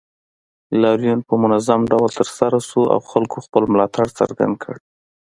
لاریون په منظم ډول ترسره شو او خلکو خپل ملاتړ څرګند کړ